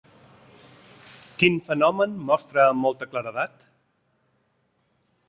Quin fenomen mostra amb molta claredat?